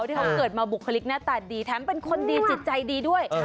ที่เขาเกิดมาบุคลิกหน้าตาดีแถมเป็นคนดีจิตใจดีด้วย